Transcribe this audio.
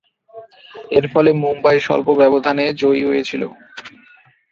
এরফলে মুম্বই স্বল্প ব্যবধানে জয়ী হয়েছিল।